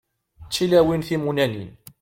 D tilawin timunanin.